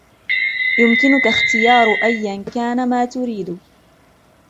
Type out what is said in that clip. يمكنك اختيار أيا كان ما تريد.